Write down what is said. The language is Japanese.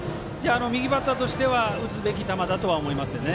右バッターとしては打つべき球だとは思います。